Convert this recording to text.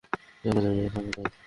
চলো যাই, মাথামোটা।